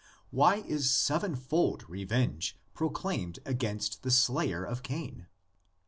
Why is sevenfold venge ance proclaimed against the slayer of Cain?